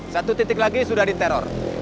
satu titik lagi sudah diteror